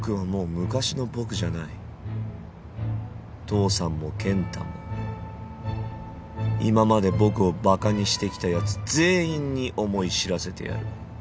父さんも健太も今まで僕をバカにしてきたやつ全員に思い知らせてやる。